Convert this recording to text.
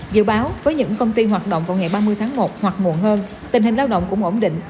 dự báo với những công ty hoạt động vào ngày ba mươi tháng một hoặc muộn hơn tình hình lao động cũng ổn định